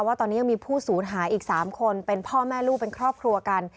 ว่าตอนนี้ยังมีผู้สูญหายอีก๓คนเป็นพ่อแม่ลูกเป็นครอบครัวกัน